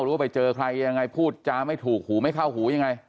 ว่าไปเจอใครยังไงพูดจาไม่ถูกหูไม่เข้าหูยังไง